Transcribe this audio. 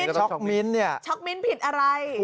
ช็อกมิ้นช็อกมิ้นผิดอะไร